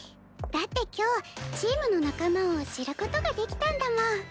だって今日チームの仲間を知ることができたんだもん。